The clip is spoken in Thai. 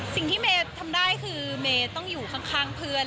สิ่งที่เมทำได้คือเมต้องอยู่ข้างเพื่อน